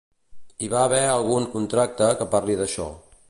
Hi ha d'haver algun contracte que parli d'això.